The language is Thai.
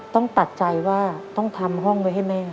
ต้องตัดใจว่าต้องทำห้องไว้ให้แม่